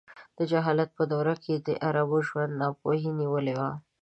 د جهالت په دوره کې د عربو ژوند ناپوهۍ نیولی و.